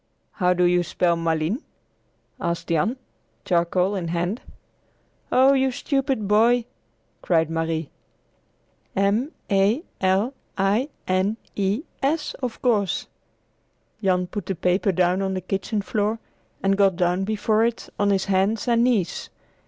"How do you spell Malines?" asked Jan, charcoal in hand. "Oh, you stupid boy!" cried Marie. "M a l i n e s, of course!" Jan put the paper down on the kitchen floor and got down before it on his hands and knees.